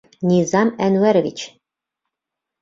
Низам Әнүәрович!